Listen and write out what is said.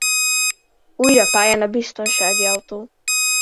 Újra pályán a biztonsági autó.